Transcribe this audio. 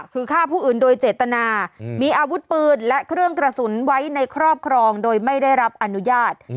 คือฆ่าผู้อื่นโดยเจตนามีอาวุธปืนและเครื่องกระสุนไว้ในครอบครองโดยไม่ได้รับอนุญาต